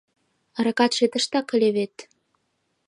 Аракатше тыштак ыле вет?